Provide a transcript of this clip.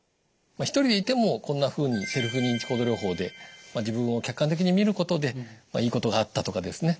一人でいてもこんなふうにセルフ認知行動療法で自分を客観的に見ることでいいことがあったとかですね